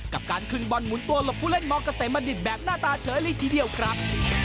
กับการขึ้นบอลหมุนตัวหลบผู้เล่นมเกษมบัณฑิตแบบหน้าตาเฉยเลยทีเดียวครับ